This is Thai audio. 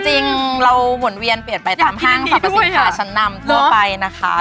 จริงเราหมุนเวียนเปลี่ยนไปตามห้างสรรพสินค้าชั้นนำทั่วไปนะคะ